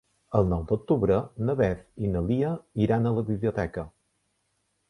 El nou d'octubre na Beth i na Lia iran a la biblioteca.